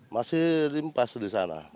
masih rimpas di sana